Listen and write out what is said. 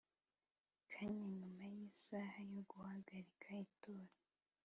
kanya nyuma y isaha yo guhagarika itora